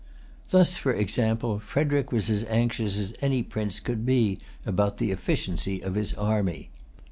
Thus, for example, Frederic was as anxious as any prince could be about the efficiency of his army.